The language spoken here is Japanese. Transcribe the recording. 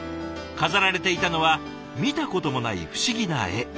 飾られていたのは見たこともない不思議な絵。